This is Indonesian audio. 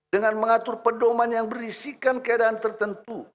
dengan mengatur pedoman yang berisikan keadaan tertentu